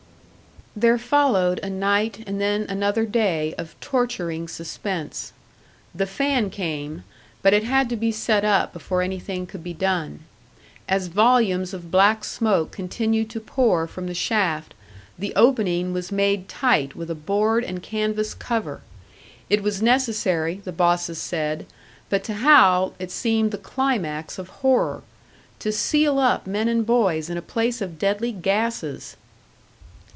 There followed a night and then another day of torturing suspense. The fan came, but it had to be set up before anything could be done. As volumes of black smoke continued to pour from the shaft, the opening was made tight with a board and canvas cover; it was necessary, the bosses said, but to Hal it seemed the climax of horror. To seal up men and boys in a place of deadly gases!